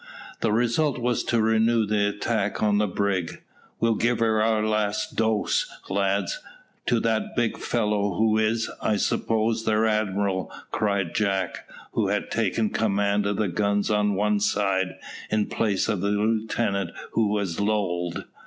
The result was to renew the attack on the brig. "We'll give our last dose, lads, to that big fellow, who is, I suppose, their admiral," cried Jack, who had taken command of the guns on one side, in place of the lieutenant who was lolled.